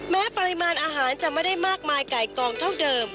ปริมาณอาหารจะไม่ได้มากมายไก่กองเท่าเดิม